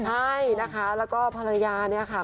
ใช่นะคะแล้วก็ภรรยาเนี่ยค่ะ